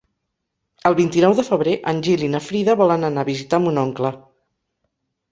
El vint-i-nou de febrer en Gil i na Frida volen anar a visitar mon oncle.